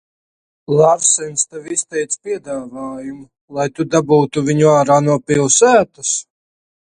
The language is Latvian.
Larsens tev izteica piedāvājumu, lai tu dabūtu viņu ārā no pilsētas?